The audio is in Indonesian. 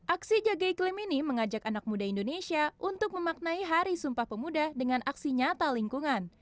aksi jaga iklim ini mengajak anak muda indonesia untuk memaknai hari sumpah pemuda dengan aksi nyata lingkungan